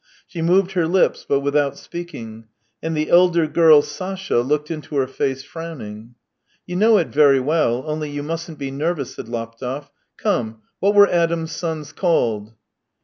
She moved her lips, but without speaking; and the elder girl, Sasha, looked into her face, frowning. " You know it very well, only you mustn't be nervous," said Laptev. " Come, what were Adam's s(>ns called."